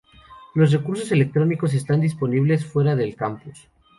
Los recursos electrónicos están disponibles fuera del campus.